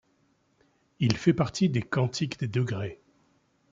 Il fait partie des cantiques des degrés.